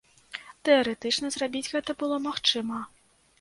Тэарэтычна, зрабіць гэта было магчыма.